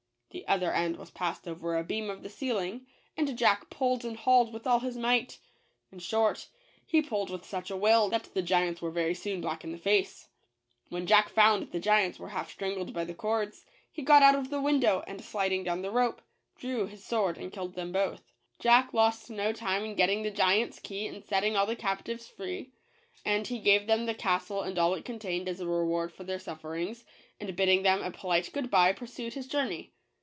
The other end was passed over a beam of the ceiling, and Jack pulled and hauled with all his might; in short, he pulled with such a will that the giants were very soon black in the face. When Jack found the giants were half strangled by the cords, he got out of the window, and sliding down the rope, drew his sword and killed them both. Jack lost no time in getting the giant's key and setting all the captives free ; and he gave them the castle and all it con tained as a reward for their sufferings; and bidding them a polite good bye, pursued his journey.